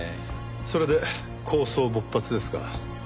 それで抗争勃発ですか。